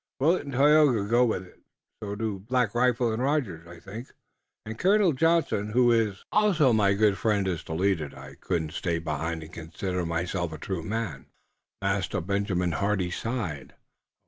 Willet and Tayoga go with it. So do Black Rifle and Rogers, I think, and Colonel Johnson, who is also my good friend, is to lead it. I couldn't stay behind and consider myself a true man." Master Benjamin Hardy sighed.